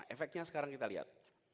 efeknya sekarang kita lihat